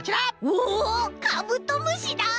おおカブトムシだ！